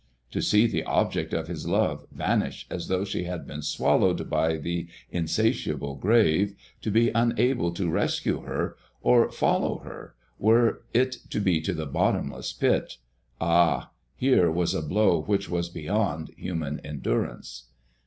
To see the object of his love vanish as though she had been swallowed by the insatiable grave, to be unable to rescue her or follow her, were it to the bottomless pit, ah, here was a blow which was beyond human endurance!